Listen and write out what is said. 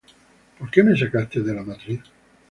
¿Por qué me sacaste de la matriz?